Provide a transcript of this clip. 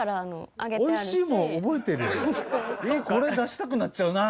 出したくなっちゃうな。